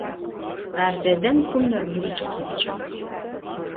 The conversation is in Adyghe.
Ar dedem kum nebgırit'u khipç'ığ.